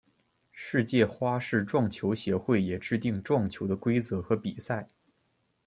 世界花式撞球协会也制定撞球的规则和比赛。